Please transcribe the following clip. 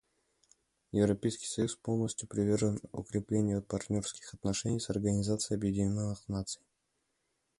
Европейский союз полностью привержен укреплению партнерских отношений с Организацией Объединенных Наций.